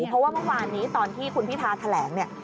เพราะว่าเมื่อวานนี้ตอนที่คุณพิธาแถลงเนี่ย